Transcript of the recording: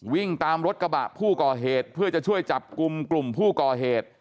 วิ่งตามรถกระบะผู้ก่อเหตุเพื่อจะช่วยจับกลุ่มกลุ่มผู้ก่อเหตุ